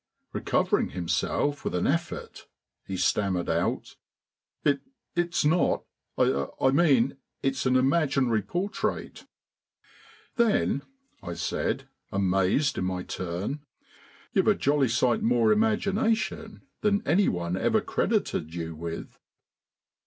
Recovering himself with an effort, he stammered out: "It's not I mean it's an imaginary portrait." "Then," I said, amazed in my turn, "you've a jolly sight more imagination than anyone ever credited you with."